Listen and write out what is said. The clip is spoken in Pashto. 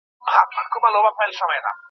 نور عوامل هم شته چې وېښتان تویوي.